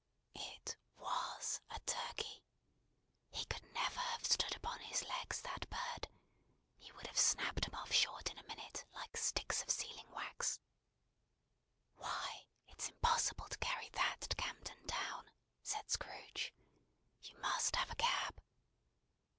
It was a Turkey! He never could have stood upon his legs, that bird. He would have snapped 'em short off in a minute, like sticks of sealing wax. "Why, it's impossible to carry that to Camden Town," said Scrooge. "You must have a cab."